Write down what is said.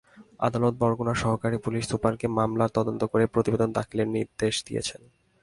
আদালত বরগুনার সহকারী পুলিশ সুপারকে মামলার তদন্ত করে প্রতিবেদন দাখিলের নির্দেশ দিয়েছেন।